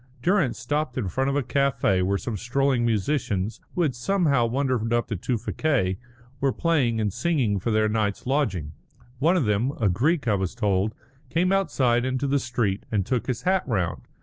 Durrance stopped in front of a café where some strolling musicians, who had somehow wandered up to Tewfikieh, were playing and singing for their night's lodging. One of them, a Greek I was told, came outside into the street and took his hat round.